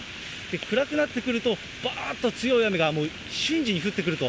暗くなってくると、ばーっと強い雨が瞬時に降ってくると。